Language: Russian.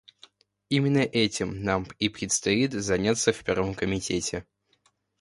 Именно этим нам и предстоит заняться в Первом комитете.